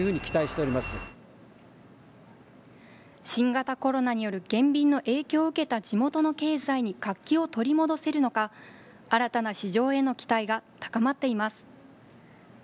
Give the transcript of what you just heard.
新型コロナによる減便の影響を受けた地元の経済に活気を取り戻せるのか、新たな市場への期待が高まっています。